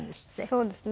そうですね